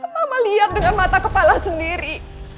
mama lihat dengan mata kepala sendiri